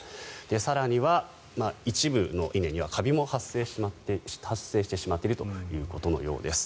更には、一部の稲にはカビも発生してしまっているということのようです。